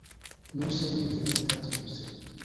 Nur se vi elektas ĝuste.